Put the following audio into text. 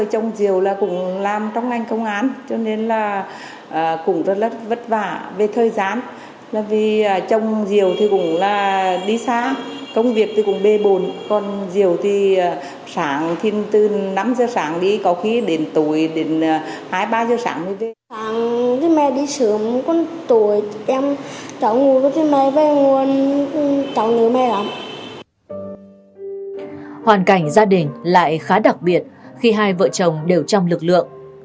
hoàn cảnh gia đình lại khá đặc biệt khi hai vợ chồng đều trong lực lượng